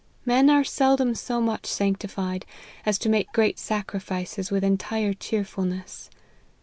Men are seldom so much sanctified, as to make great sacri fices with entire cheerfulness.